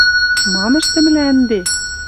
Мам ӹштӹмлӓ ӹнде?